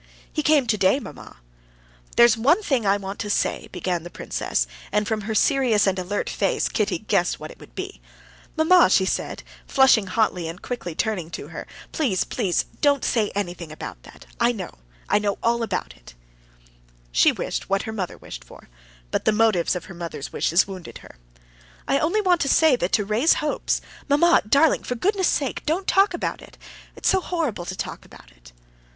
"He came today, mamma." "There's one thing I want to say...." began the princess, and from her serious and alert face, Kitty guessed what it would be. "Mamma," she said, flushing hotly and turning quickly to her, "please, please don't say anything about that. I know, I know all about it." She wished for what her mother wished for, but the motives of her mother's wishes wounded her. "I only want to say that to raise hopes...." "Mamma, darling, for goodness' sake, don't talk about it. It's so horrible to talk about it."